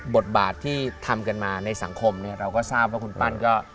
บทบาทที่ทำกันมาในสังคมเนี่ยเราก็ทราบว่าคุณปั้นก็